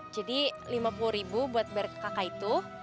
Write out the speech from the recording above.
jadi lima puluh ribu buat bayar ke kakak itu